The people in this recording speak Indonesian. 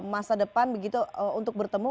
masa depan begitu untuk bertemu